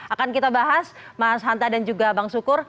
akan kita bahas mas hanta dan juga bang sukur